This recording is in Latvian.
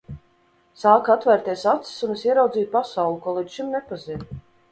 Sāka atvērties acis, un es ieraudzīju pasauli, ko līdz šim nepazinu.